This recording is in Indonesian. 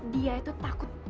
dia itu takut